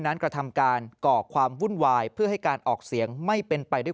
กระทำการก่อความวุ่นวายเพื่อให้การออกเสียงไม่เป็นไปด้วย